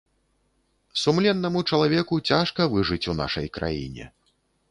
Сумленнаму чалавеку цяжка выжыць у нашай краіне.